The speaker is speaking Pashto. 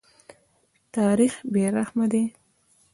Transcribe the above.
تاریخ بې رحمه دی.